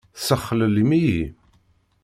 Tessexlellim-iyi!